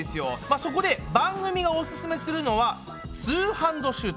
そこで番組がオススメするのは「ツーハンドシュート」。